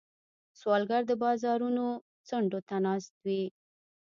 سوالګر د بازارونو څنډو ته ناست وي